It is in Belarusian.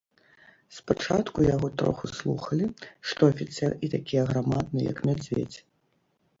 Спачатку яго троху слухалі, што афіцэр і такі аграмадны, як мядзведзь.